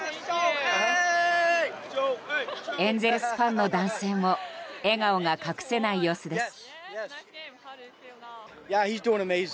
エンゼルスファンの男性も笑顔が隠せない様子です。